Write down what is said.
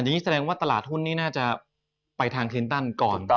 อย่างนี้แสดงว่าตลาดหุ้นนี้น่าจะไปทางคลินตันก่อน